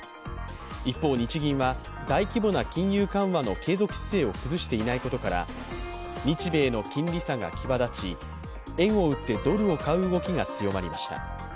一方、日銀は大規模な金融緩和の継続姿勢を崩していないことから日米の金利差が際立ち円を売ってドルを買う動きが強まりました。